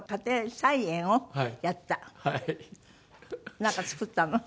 なんか作ったの？